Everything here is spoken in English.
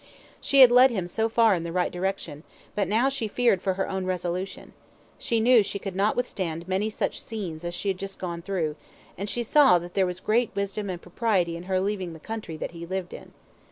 She had led him so far in the right direction, but now she feared for her own resolution; she knew she could not withstand many such scenes as she had just gone through, and she saw that there was great wisdom and propriety in her leaving the country that he lived in.